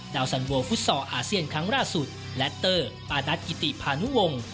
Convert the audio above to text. สันโวฟุตซอลอาเซียนครั้งล่าสุดและเตอร์ปานัทกิติพานุวงศ์